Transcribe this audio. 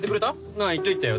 ああ言っといたよ。